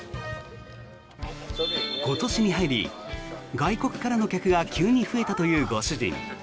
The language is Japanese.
今年に入り、外国からの客が急に増えたというご主人。